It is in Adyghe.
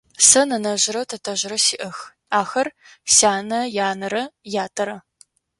Сэ нэнэжърэ тэтэжърэ сиӏэх, ахэр сянэ янэрэ ятэрэ.